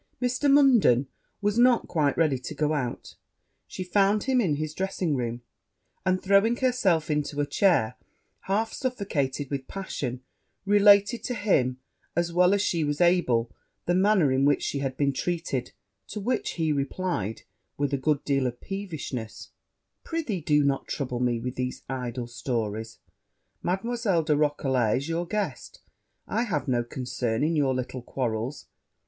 Mr. Munden was not quite ready to go out she found him in his dressing room; and, throwing herself into a chair, half suffocated with passion, related to him, as well as she was able, the manner in which she had been treated; to which he replied, with a good deal of peevishness, 'Pr'ythee, do not trouble me with these idle stories; Mademoiselle de Roquelair is your guest I have no concern in your little quarrels.'